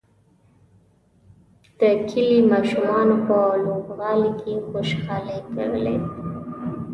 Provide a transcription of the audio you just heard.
د کلي ماشومانو په لوبغالي کې خوشحالۍ کولې.